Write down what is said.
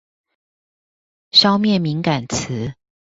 消滅敏感詞